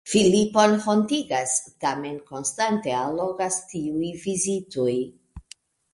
Filipon hontigas, tamen konstante allogas tiuj vizitoj.